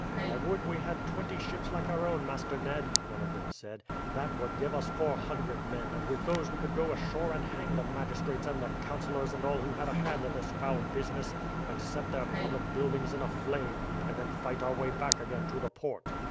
"I would we had twenty ships like our own, Master Ned," one of them said. "That would give us four hundred men, and with those we could go ashore and hang the magistrates and the councillors and all who had a hand in this foul business, and set their public buildings in a flame, and then fight our way back again to the port."